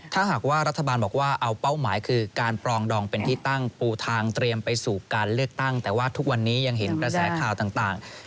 ถ้าหากว่ารัฐบาลบอกว่าเอาเป้าหมายคือการปรองดองเป็นที่ตั้งปูทางเตรียมไปสู่การเลือกตั้ง